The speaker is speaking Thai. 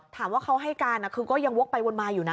ถามว่าเขาให้การคือก็ยังวกไปวนมาอยู่นะ